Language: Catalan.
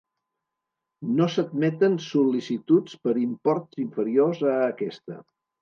No s'admeten sol·licituds per imports inferiors a aquesta.